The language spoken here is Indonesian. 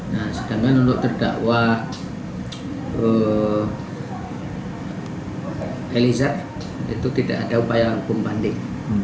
nah sedangkan untuk terdakwa eliezer itu tidak ada upaya hukum banding